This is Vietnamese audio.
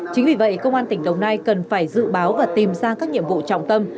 chính vì vậy công an tỉnh đồng nai cần phải dự báo và tìm ra các nhiệm vụ trọng tâm